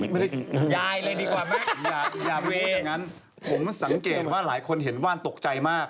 ไม่ได้อย่าบอกอย่างนั้นผมสังเกตว่าหลายคนเห็นว่านตกใจมาก